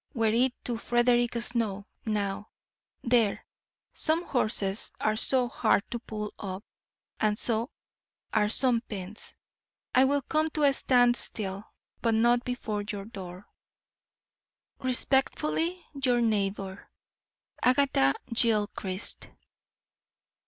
Were it to Frederick Snow, now There! some horses are so hard to pull up and so are some pens. I will come to a standstill, but not before your door. Respectfully your neighbour, AGATHA GILCHRIST.